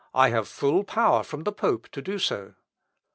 "I have full power from the pope to do so."